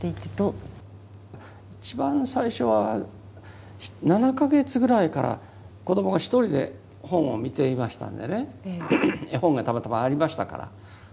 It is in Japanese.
一番最初は７か月ぐらいから子どもが１人で本を見ていましたんでね絵本がたまたまありましたから。